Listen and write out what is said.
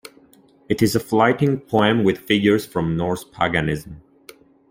It is a flyting poem with figures from Norse Paganism.